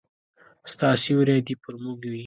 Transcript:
ستا سیوری دي پر موږ وي